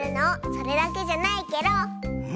それだけじゃないケロ。